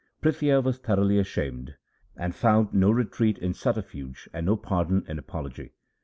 Prithia was thoroughly ashamed, and found no retreat in subterfuge and no pardon in apology.